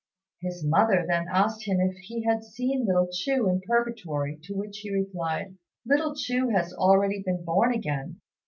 His mother then asked him if he had seen little Chu in Purgatory; to which he replied, "Little Chu has already been born again.